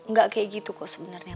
gak kayak gitu kok sebenernya